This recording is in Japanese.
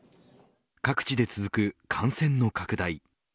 各地で続く感染の拡大。